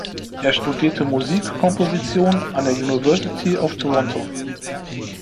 Er studierte Musikkomposition an der University of Toronto.